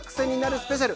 スペシャル』